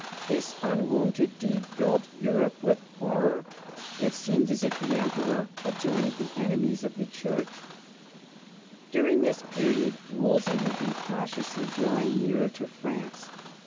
This unwonted deed filled Europe with horror. It seemed as if the Emperor had joined the enemies of the ChurcL During this period Wolsey had been cautiously drawing nearer to France.